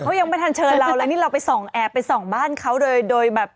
เขายังไม่ทันเชิญเราแล้วนี่เราไปส่องแอบไปส่องบ้านเขาโดยโดยแบบ